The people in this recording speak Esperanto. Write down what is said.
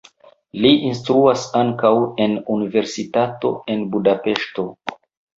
Li instruas ankaŭ en universitato en Budapeŝto.